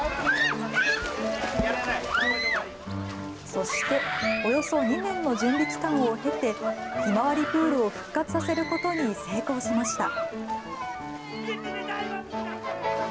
そして、およそ２年の準備期間を経て、ひまわりプールを復活させることに成功しました。